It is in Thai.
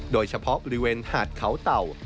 โดยเฉพาะบริเวณหาดเขาเต่า